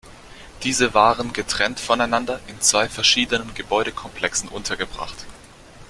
Diese waren getrennt voneinander, in zwei verschiedenen Gebäudekomplexen, untergebracht.